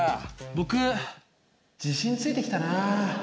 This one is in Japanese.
僕自信ついてきたな。